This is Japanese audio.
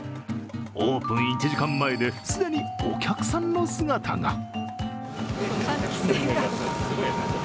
オープン１時間前で既にお客さんの姿が。